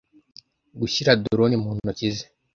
gushyira drone mu ntoki ze